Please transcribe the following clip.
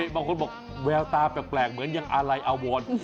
บางคนบอกแววตาแปลกเหมือนยังอะไรอวร